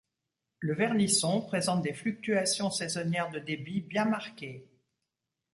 Le Vernisson présente des fluctuations saisonnières de débit bien marquées.